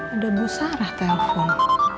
ada bu sarah telepon